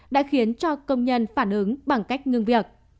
đã khiến cho công nhân phản ứng bằng cách ngưng việc